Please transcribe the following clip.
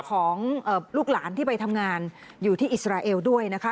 ของลูกหลานที่ไปทำงานอยู่ที่อิสราเอลด้วยนะคะ